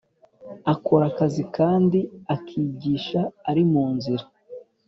Akora Akiza kandi akigisha ari mu nzira